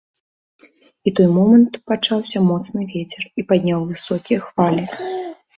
І той момант пачаўся моцны вецер і падняў высокія хвалі.